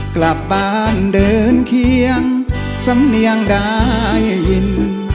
กลับบ้านเดินเคียงสัญญาได้ยิน